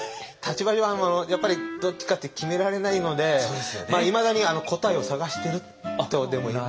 立場上やっぱりどっちかって決められないのでいまだに答えを探してるとでも。